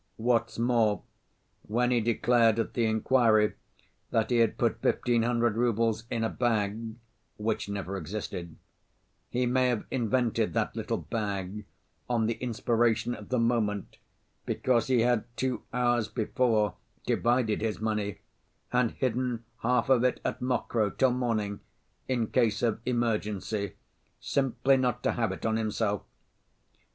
What's more, when he declared at the inquiry that he had put fifteen hundred roubles in a bag (which never existed) he may have invented that little bag on the inspiration of the moment, because he had two hours before divided his money and hidden half of it at Mokroe till morning, in case of emergency, simply not to have it on himself.